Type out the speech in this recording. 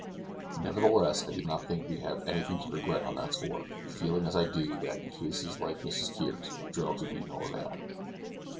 Nevertheless, I do not think we have anything to regret on that score, feeling, as I do, that in a case like Mrs. Kear's, drugs would be of no avail.